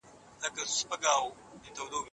ولې ځايي واردوونکي کیمیاوي سره له هند څخه واردوي؟